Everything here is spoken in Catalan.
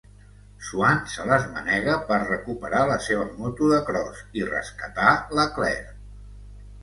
Swann se les manega per recuperar la seva moto de cros i rescatar la Claire.